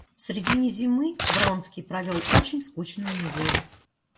В средине зимы Вронский провел очень скучную неделю.